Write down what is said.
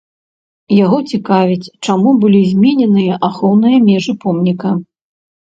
Яго цікавіць, чаму былі змененыя ахоўныя межы помніка.